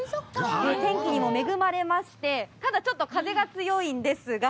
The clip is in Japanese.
天気にも恵まれまして、ただちょっと風が強いんですが。